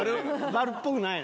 バルっぽくないね。